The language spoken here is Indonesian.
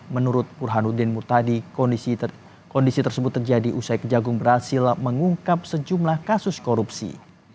menurut burhanuddin murtadi kondisi tersebut terjadi usai kejagung berhasil mengungkap sejumlah kasus korupsi